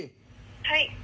はい。